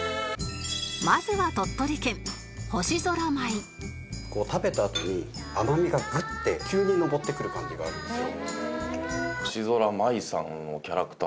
まずはこう食べたあとに甘みがグッて急に上ってくる感じがあるんですよ。